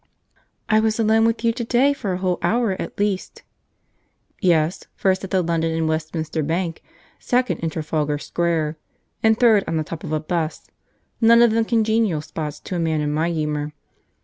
"I was alone with you to day for a whole hour at least." "Yes, first at the London and Westminster Bank, second in Trafalgar Square, and third on the top of a 'bus, none of them congenial spots to a man in my humour.